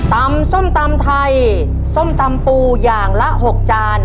ส้มตำไทยส้มตำปูอย่างละ๖จาน